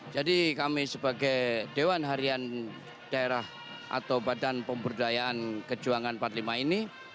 jadi kami sebagai dewan harian daerah atau badan pembudayaan kejuangan empat puluh lima ini